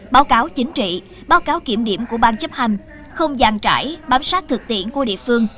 báo cáo chính trị báo cáo kiểm điểm của bang chấp hành không gian trải bám sát thực tiễn của địa phương